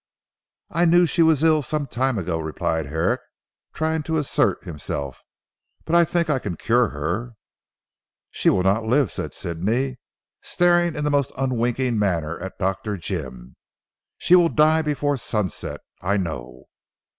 "I knew she was ill some time ago," replied Herrick trying to assert himself, "but I think I can cure her." "She will not live," said Sidney, staring in the most unwinking manner at Dr. Jim. "She will die before sunset. I know."